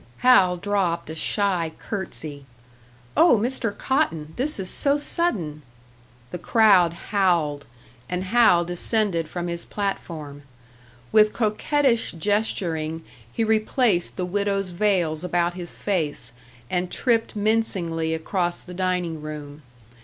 Hal dropped a shy curtsey. "Oh, Mr. Cotton! This is so sudden!" The crowd howled; and Hal descended from his platform. With coquettish gesturing he replaced the widow's veils about his face, and tripped mincingly across the dining room.